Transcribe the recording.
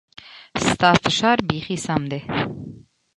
ستا فشار بيخي سم ديه.